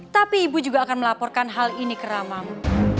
tapi ibu juga akan melaporkan hal ini ke ramang